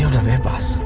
dia udah bebas